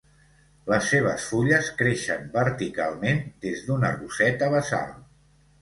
Les seves fulles creixen verticalment des d'una roseta basal.